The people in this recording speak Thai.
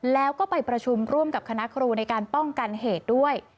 แล้วก็ไปประชุมร่วมกับคณะครูในการป้องกันเหตุด้วย